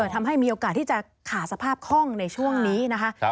มีโอกาสที่จะขาดสภาพคล่องในช่วงนี้นะคะ